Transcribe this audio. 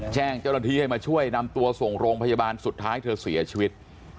แจ้งเจ้าหน้าที่ให้มาช่วยนำตัวส่งโรงพยาบาลสุดท้ายเธอเสียชีวิต